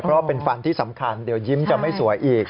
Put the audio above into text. เพราะเป็นฟันที่สำคัญเดี๋ยวยิ้มจะไม่สวยอีก